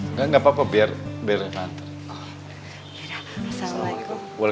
nggak nggak apa apa biar reva anterin